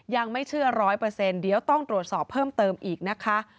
ยังไม่เชื่อร้อยเปอร์เซ็นต์เดี๋ยวต้องตรวจสอบเพิ่มเติมอีกนะคะ